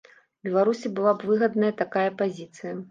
Беларусі была б выгадная такая пазіцыя.